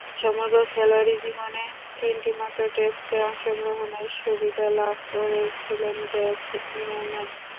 সমগ্র খেলোয়াড়ী জীবনে তিনটিমাত্র টেস্টে অংশগ্রহণের সুযোগ লাভ করেছিলেন জ্যাক নিউম্যান।